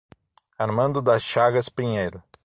Armando Das Chagas Pinheiro